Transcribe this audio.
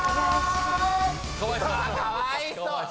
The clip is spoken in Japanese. かわいそう！